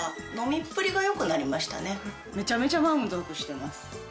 めちゃめちゃ満足してます。